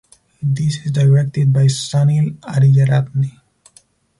This is directed by Sunil Ariyaratne.